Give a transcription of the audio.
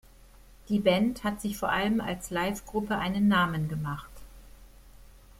Die Band hat sich vor allem als Live-Gruppe einen Namen gemacht.